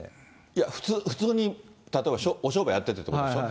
いや、普通に、例えばお商売やっててってことですよ。